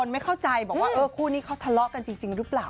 ไม่เข้าใจบอกว่าเออคู่นี้เขาทะเลาะกันจริงหรือเปล่า